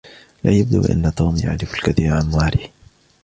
لا يبدو بأن توم يعرف الكثير عن ماري.